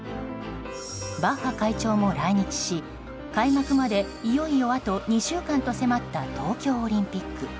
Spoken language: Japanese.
バッハ会長も来日し開幕まで、いよいよあと２週間と迫った東京オリンピック。